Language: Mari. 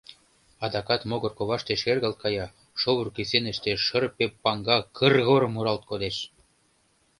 Адакат могыр коваште шергылт кая, шовыр кӱсеныште шырпе паҥга кыр-гор муралт кодеш.